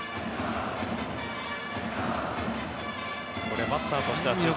これ、バッターとしては辻さん。